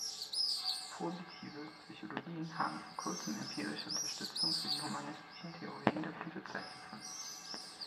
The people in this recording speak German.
„Positive“ Psychologen haben vor Kurzem empirische Unterstützung für die humanistischen Theorien der Blütezeit gefunden.